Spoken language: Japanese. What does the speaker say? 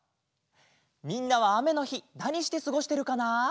みんなはあめのひなにしてすごしてるかな？